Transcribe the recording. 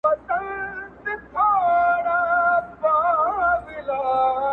شاعري هم مخې ته راغلې وه